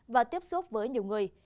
và tiếp xúc với nhiều người